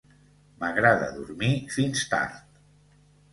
M'agrada dormir fins tard.